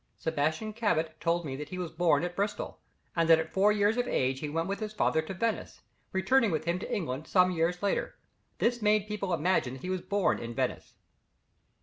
"Sebastian Cabot told me that he was born at Bristol, and that at four years of age he went with his father to Venice, returning with him to England some years later; this made people imagine that he was born at Venice."